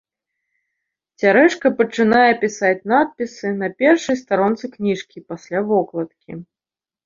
Цярэшка пачынае пісаць надпісы на першай старонцы кніжкі пасля вокладкі.